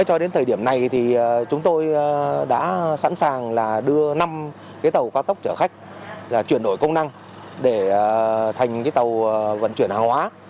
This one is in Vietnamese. cho đến thời điểm này thì chúng tôi đã sẵn sàng đưa năm tàu ca tốc chở khách chuyển đổi công năng để thành tàu vận chuyển hàng hóa